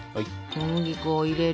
小麦粉を入れる。